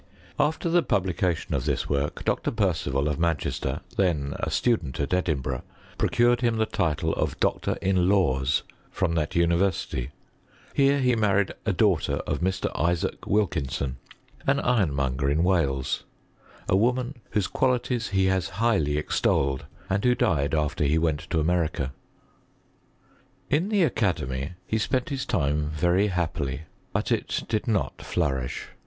After the publication of this work. Dr. Percival of Manchester, then a stu dent at Edinburgh, procured him the title of doctor in laws, from that university. Here he married a daughter of Mr. Isaac Wilkinson, an ironmonger in Wales; a woman whose qualities he has highly ex tolled, and who died after he went to America, In the academy he spent his time very happily, rjbat it did not flourish.